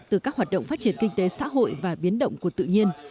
từ các hoạt động phát triển kinh tế xã hội và biến động của tự nhiên